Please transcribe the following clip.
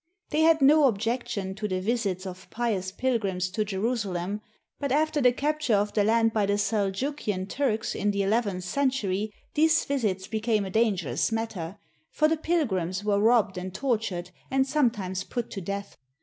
They had no objection to the visits of pious pil grims to Jerusalem; but after the capture of the land by the Seljukian Turks in the eleventh century, these visits became a dangerous matter, for the pilgrims were robbed and tor tured and sometimes put to death.